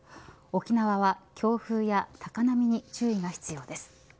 沖縄は強風や高波に注意が必要です。